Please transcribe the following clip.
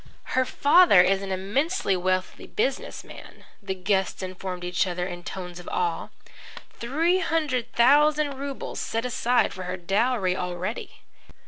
"Her father is an immensely wealthy business man," the guests informed each other in tones of awe. "Three hundred thousand rubles set aside for her dowry already."